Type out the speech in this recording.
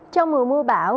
trong mùa mưa bão